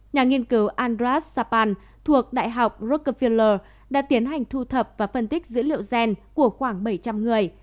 nhà nghiên cứu andras sapan thuộc đại học rockkafieller đã tiến hành thu thập và phân tích dữ liệu gen của khoảng bảy trăm linh người